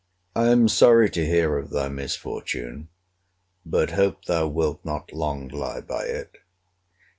I am sorry to hear of thy misfortune; but hope thou wilt not long lie by it.